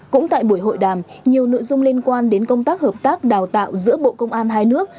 cũng tại buổi hội đàm nhiều nội dung liên quan đến công tác hợp tác đào tạo giữa bộ công an hai nước